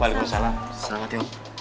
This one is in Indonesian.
walik punct salam pak cemang